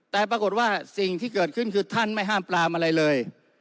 แต่ปรากฏว่าสิ่งที่เกิดขึ้นคือท่านไม่ห้ามปรามอะไรเลย